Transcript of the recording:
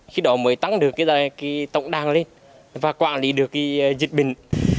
khi đó mới tăng được tổng đàn lên và quản lý được dịch bệnh